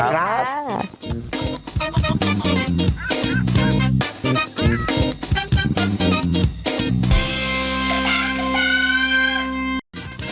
สวัสดีครับ